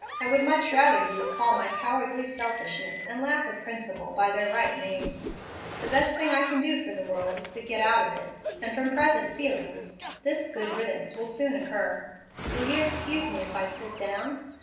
I would much rather you would call my cowardly selfishness and lack of principle by their right names. The best thing I can do for the world is to get out of it, and from present feelings, this 'good riddance' will soon occur. Will you excuse me if I sit down?"